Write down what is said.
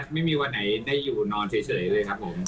ไม่มีวันไหนได้อยู่นอนเฉยเลยครับผม